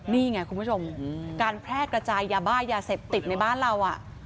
นี่ไงคุณผู้ชมการแพร่กระจายยาบ้ายาเสพติดในบ้านเรา